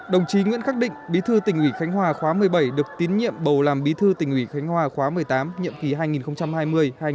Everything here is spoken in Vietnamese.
đồng chí nguyễn khắc định bí thư tỉnh ủy khánh hòa khóa một mươi bảy được tín nhiệm bầu làm bí thư tỉnh ủy khánh hòa khóa một mươi tám nhiệm kỳ hai nghìn hai mươi hai nghìn hai mươi năm